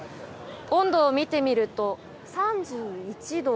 温度を見てみると３１度。